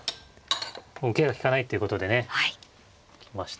もう受けが利かないっていうことでね行きました。